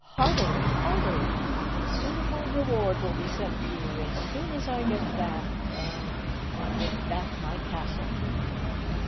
Heartily! Heartily! A suitable reward will be sent you as soon as I get back er get back my castle."